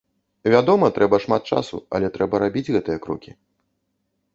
Вядома, трэба шмат часу, але трэба рабіць гэтыя крокі.